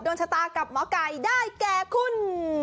โดนชะตากับหม้อก๋ยได้แก่คุณ